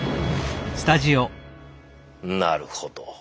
なるほど。